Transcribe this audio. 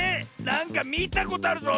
なんかみたことあるぞ。